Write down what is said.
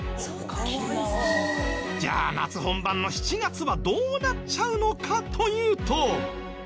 じゃあ夏本番の７月はどうなっちゃうのかというと。